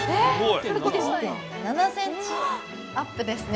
１．７ｃｍアップですね。